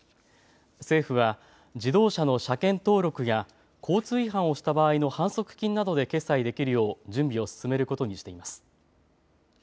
政府は自動車の車検登録や交通違反をした場合の反則金などで決済できるよう準備を進めることにしています。